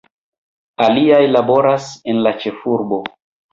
Aliaj laboras en la ĉefurbo.